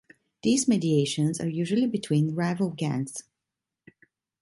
These mediations are usually between rival gangs.